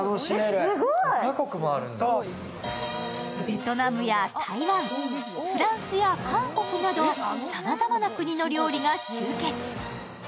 ベトナムや台湾、フランスや韓国などさまざまな国の料理が集結。